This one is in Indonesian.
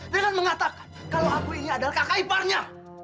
dengan mengatakan kalau aku ini adalah kakak iparnya